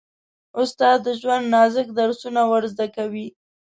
استاد د ژوند نازک درسونه ور زده کوي.